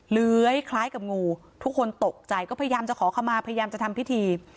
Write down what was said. เลื้อยคล้ายกับงูทุกคนตกใจก็พยายามจะขอเข้ามาพยายามจะทำพิธี